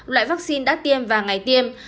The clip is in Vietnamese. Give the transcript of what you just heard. loại vaccine đã tiêm và ngày tiêm